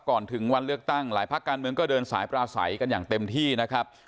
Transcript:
ก่อนถึงวันเลือกตั้งหลายภาคการเมืองก็เดินสายปราศัยกันอย่างเต็มที่นะครับ